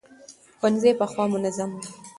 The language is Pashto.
ښوونځي پخوا منظم وو.